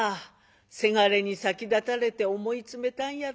せがれに先立たれて思い詰めたんやろなあ。